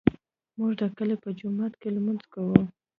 موږ د کلي په جومات کې لمونځ کوو